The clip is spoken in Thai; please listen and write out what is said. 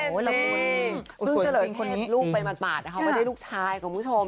ซึ่งเจริญเพศลูกเป็นหมัดปากนะครับไม่ได้ลูกชายของผู้ชม